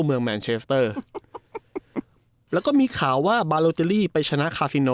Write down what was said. เมืองแมนเชสตเตอร์แล้วก็มีข่าวว่าไปชนะ